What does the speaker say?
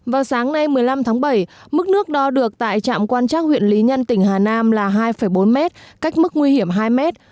vào sáng nay một mươi năm tháng bảy mức nước đo được tại trạm quan trác huyện lý nhân tỉnh hà nam là hai bốn mét cách mức nguy hiểm hai mét